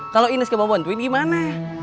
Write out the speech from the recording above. kalau ines kebobontuin gimana